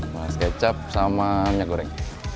mas kecap sama minyak goreng